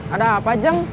ada apa jeng